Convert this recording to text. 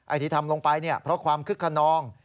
ไอ้ที่ทำลงไปเพราะความคึกคณอง